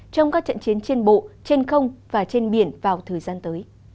trong các trận chiến trên bộ trên không và trên biển vào thời gian tới